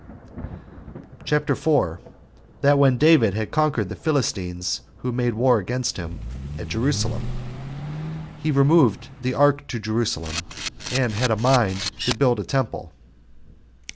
CHAPTER 4. That When David Had Conquered The Philistines Who Made War Against Him At Jerusalem, He Removed The Ark To Jerusalem And Had A Mind To Build A Temple.